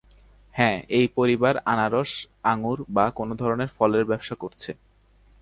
হ্যাঁ, এই পরিবার আনারস, আঙুর বা কোনো ধরনের ফলের ব্যবসা করছে।